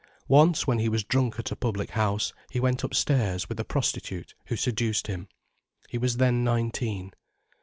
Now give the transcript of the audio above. Once, when he was drunk at a public house, he went upstairs with a prostitute who seduced him. He was then nineteen.